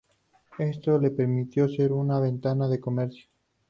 Esto le permitió ser una ventana de comercio.